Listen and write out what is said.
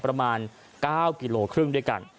ประมาณ๙กิโลครึ่งด้วยกัน